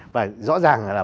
và rõ ràng là